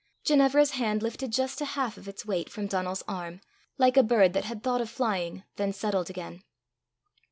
Ginevra's hand lifted just a half of its weight from Donal's arm, like a bird that had thought of flying, then settled again.